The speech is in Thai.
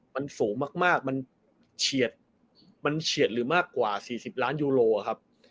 มันสูงมากมันเฉียดมันเฉียดหรือมากกว่า๔๐ล้านยูโรครับ